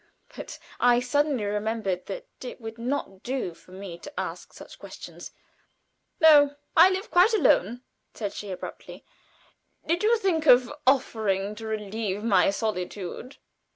but I suddenly remembered that it would not do for me to ask such questions. "No, I live quite alone," said she, abruptly. "Did you think of offering to relieve my solitude?"